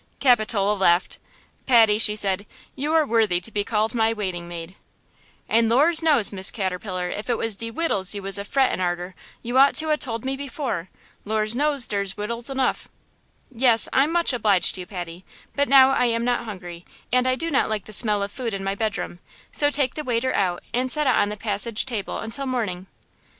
Capitola laughed. "Patty " she said, "you are worthy to be called my waiting maid!" "And Lors knows, Miss Caterpillar, if it was de wittels you was a frettin' arter, you ought to a told me before! Lors knows dere's wittels enough!" "Yes, I'm much obliged to you, Patty, but now I am not hungry, and I do not like the smell of food in my bedroom, so take the waiter out and set it on the passage table until morning."